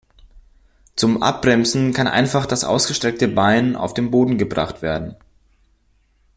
Zum Abbremsen kann einfach das ausgestreckte Bein auf den Boden gebracht werden.